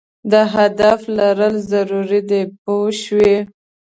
د هدف لرل ضرور دي پوه شوې!.